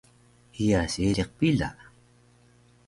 Iya seelaq pila